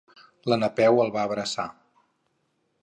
La Napeu el va abraçar.